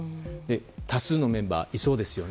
多数のメンバーがいそうですよね。